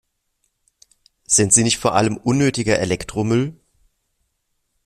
Sind sie nicht vor allem unnötiger Elektromüll?